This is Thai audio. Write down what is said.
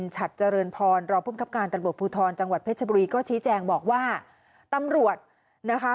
จังหวัดเพชรบุรีก็ชี้แจงบอกว่าตำรวจนะคะ